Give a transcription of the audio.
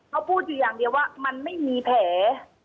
เขาพูดอยู่อย่างเดียวว่ามันไม่มีแผล